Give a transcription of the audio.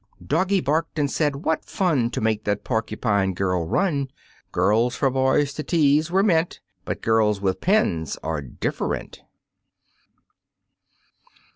Doggy barked and said: "What fun To make that Porcupine girl run; Girls for boys to tease were meant." But girls with pins are different.